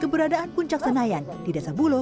keberadaan puncak senayan di desa bulo